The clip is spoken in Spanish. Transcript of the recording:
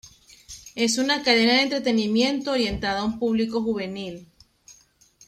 Es una cadena de entretenimiento orientada a un público juvenil.